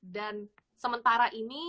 dan sementara ini kalau kalian mau belanja